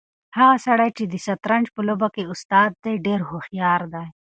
هغه سړی چې د شطرنج په لوبه کې استاد دی ډېر هوښیار دی.